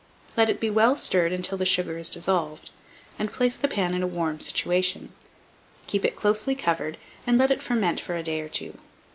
Let it be well stirred until the sugar is dissolved, and place the pan in a warm situation; keep it closely covered, and let it ferment for a day or two.